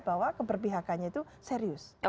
bahwa keberpihakannya itu serius